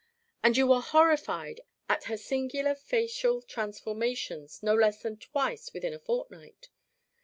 And you were horrified at her singular facial transformations no less than twice within a fortnight.